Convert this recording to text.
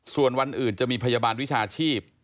ส่วนวันอื่นจะมีพยาบาลวิชาชีพ